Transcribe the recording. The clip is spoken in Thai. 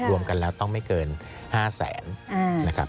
รวมกันแล้วต้องไม่เกิน๕แสนนะครับ